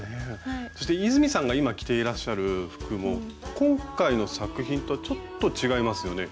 そして泉さんが今着ていらっしゃる服も今回の作品とちょっと違いますよね？